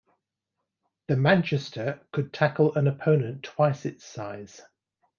The Manchester could tackle an opponent twice its size.